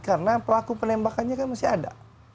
karena pelaku penembakannya kan masih ada